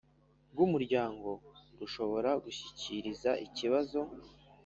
Rw umuryango rushobora gushyikiriza ikibazo